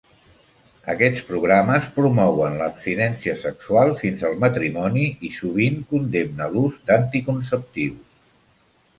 Aquests programes promouen l'abstinència sexual fins al matrimoni i sovint condemna l'ús d'anticonceptius.